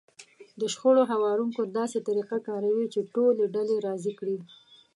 د شخړو هواروونکی داسې طريقه کاروي چې ټولې ډلې راضي کړي.